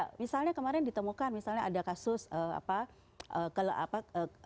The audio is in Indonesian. ya misalnya kemarin ditemukan misalnya ada kasus apa